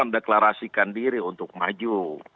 deklarasikan diri untuk maju